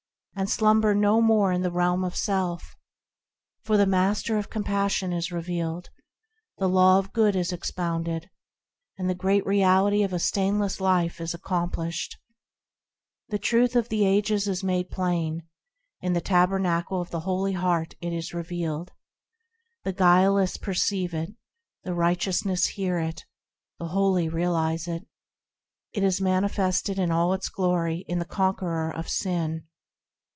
And slumber no more in the realm of self ! For the Master of Compassion is revealed, The Law of Good is expounded, And the Great Reality of a stainless life is accomplished ! The Truth of the ages is made plain; In the tabernacle of the holy heart it is revealed. The guileless perceive it; The righteous hear it; The holy realise it. It is manifested in all its glory in the conqueror of sin.